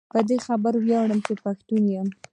په دي خبره وياړم چي پښتون يم